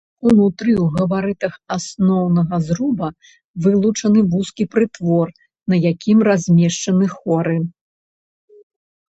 Унутры ў габарытах асноўнага зруба вылучаны вузкі прытвор, над якім размешчаны хоры.